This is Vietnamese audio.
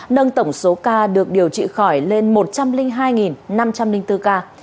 nâng tổng số ca được điều trị khỏi lên một trăm linh hai năm trăm linh bốn ca